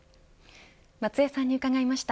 松江さんに伺いました。